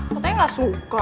katanya gak suka